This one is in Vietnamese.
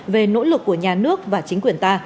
về nỗ lực của nhà nước và chính quyền ta